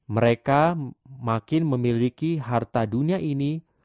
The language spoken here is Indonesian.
mereka makin memiliki harta dunia ini